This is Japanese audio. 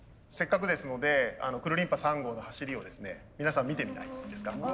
せっかくですのでくるりんぱ３号の走りをですね皆さん見てみないですか？